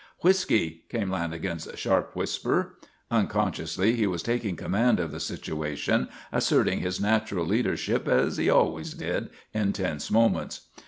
"Whisky!" came Lanagan's sharp whisper. Unconsciously he was taking command of the situation, asserting his natural leadership as he always did in tense moments.